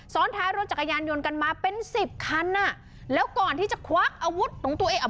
ท้ายรถจักรยานยนต์กันมาเป็นสิบคันอ่ะแล้วก่อนที่จะควักอาวุธของตัวเองอ่ะ